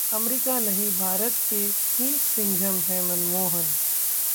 America नहीं भारत के ही सिंघम हैं मनमोहन!